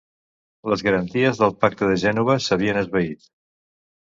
Les garanties del Pacte de Gènova s'havien esvaït.